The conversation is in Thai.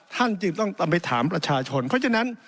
ท่านจึงต้องไปถามประชาชนเพราะฉะนั้น